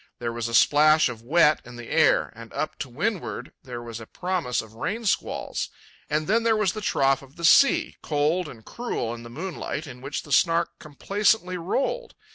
There was a splash of wet in the air, and up to windward there was a promise of rain squalls; and then there was the trough of the sea, cold and cruel in the moonlight, in which the Snark complacently rolled.